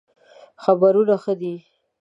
خبرونه ښه دئ